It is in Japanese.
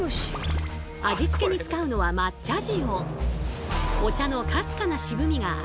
味付けに使うのは抹茶塩。